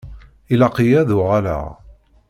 Ilaq-iyi ad uɣaleɣ.